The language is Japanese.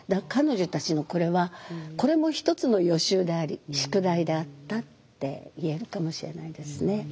彼女たちのこれはこれも一つの予習であり宿題であったって言えるかもしれないですね。